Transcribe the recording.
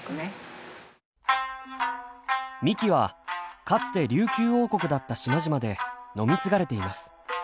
みきはかつて琉球王国だった島々で飲み継がれています。